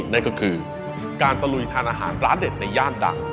นั่นก็คือการตะลุยทานอาหารร้านเด็ดในย่านดัง